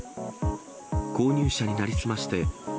購入者に成り済ましてう